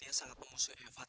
emang aku salah apa